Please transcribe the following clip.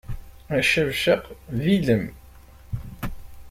Acabcaq d ilem.